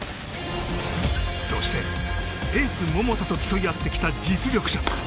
そして、エース桃田と競い合ってきた実力者